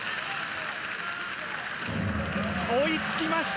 追いつきました。